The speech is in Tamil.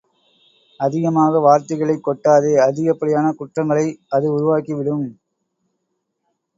அதிகமாக வாத்தைகளைக் கொட்டாதே அதிகப்படியான குற்றங்களை அது உருவாக்கி விடும்!